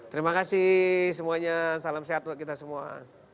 terima kasih semuanya salam sehat buat kita semua